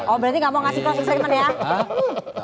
oh berarti enggak mau ngasih call check in ya